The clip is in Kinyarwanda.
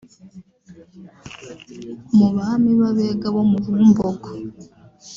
Mu bami b’Abega bo mu Bumbogo